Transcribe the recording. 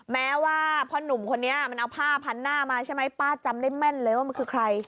แม้ว่าพ่อหนุ่มคนนี้มันเอาผ้าพันหน้ามาใช่ไหมป้าจำได้แม่นเลยว่ามันคือใคร